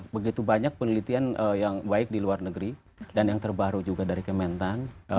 begitu banyak penelitian yang baik di luar negeri dan yang terbaru juga dari kementan